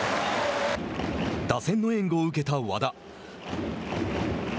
打線の援護を受けた和田。